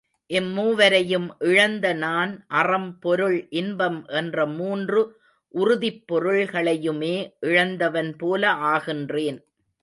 இம் மூவரையும் இழந்த நான் அறம், பொருள், இன்பம் என்ற மூன்று உறுதிப் பொருள்களையுமே இழந்தவன்போல ஆகின்றேன்.